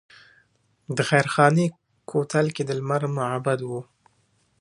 د خیرخانې کوتل کې د لمر معبد و